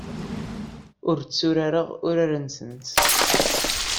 Ur tturareɣ urar-nsent.